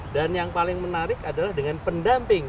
dan yang paling menarik adalah dengan pendamping